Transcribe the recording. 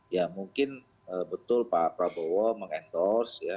ya mungkin betul pak prabowo mengendorse ya